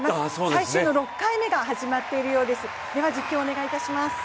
最終の６回目が始まっているようです。